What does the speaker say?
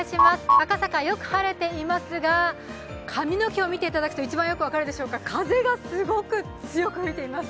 赤坂、よく晴れていますが髪の毛を見ていただくと一番よく分かるでしょうか、風がすごく強く吹いています。